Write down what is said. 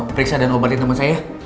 periksa dan obatin sama saya ya